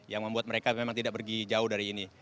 yang membuat mereka memang tidak pergi jauh dari ini